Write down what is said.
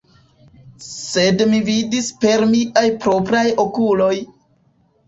Sed mi vidis per miaj propraj okuloj!